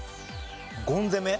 ゴン攻め？